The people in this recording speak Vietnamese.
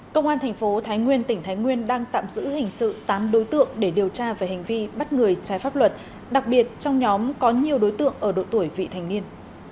công an thành phố thái nguyên tỉnh thái nguyên đang tạm giữ hình sự tám đối tượng để điều tra về hành vi bắt người trái pháp luật đặc biệt trong nhóm có nhiều đối tượng ở độ tuổi vị thành niên